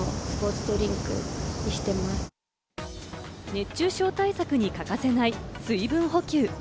熱中症対策に欠かせない水分補給。